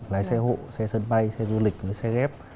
lái xe hộ xe sân bay xe du lịch xe ghép